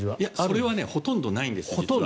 それはほとんどないんです。